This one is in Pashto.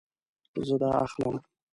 زه دا اخلم